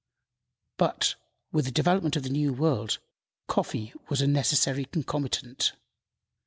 But, with the development of the New World, coffee was a necessary concomitant.